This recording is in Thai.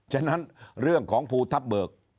ฉะนั้นเรื่องของภูทับเบิก